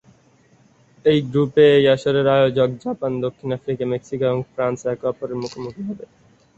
এই গ্রুপে এই আসরের আয়োজক জাপান, দক্ষিণ আফ্রিকা, মেক্সিকো এবং ফ্রান্স একে অপরের মুখোমুখি হবে।